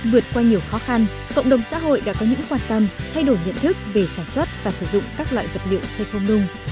vượt qua nhiều khó khăn cộng đồng xã hội đã có những quan tâm thay đổi nhận thức về sản xuất và sử dụng các loại vật liệu xây không nung